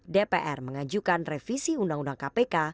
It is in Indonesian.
dpr mengajukan revisi undang undang kpk